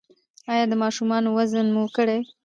ایا د ماشومانو وزن مو کړی؟